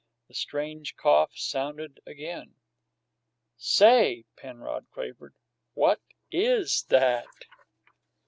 The strange cough sounded again. "Say!" Penrod quavered. "What is that?"